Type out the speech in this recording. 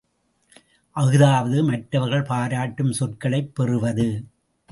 அஃதாவது மற்றவர்கள் பாராட்டும் சொற்களைப் பெறுவது.